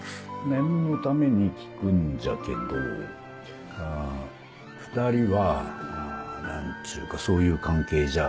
念のために聞くんじゃけど２人は何ちゅうかそういう関係じゃ。